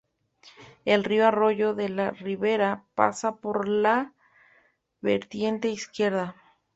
El río Arroyo de la Ribera, pasa por la vertiente izquierda.